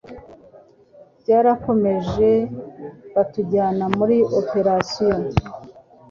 byarakomeje batujyana muri Opération